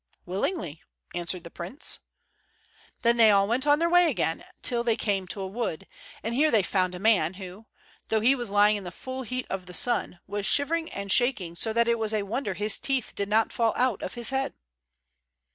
"Willingly," answered the prince. Then they all went on their way again till they came to a wood, and here they found a man who, though he was lying in the full heat of the sun, was shivering and shaking so that it was a wonder his teeth did not fall out of his head.